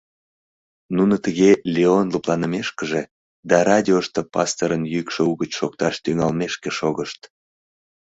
Нуно тыге Леон лыпланымешкыже да радиошто пасторын йӱкшӧ угыч шокташ тӱҥалмешке шогышт.